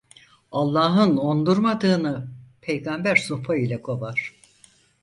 Allah'ın ondurmadığını; Peygamber sopa ile kovar.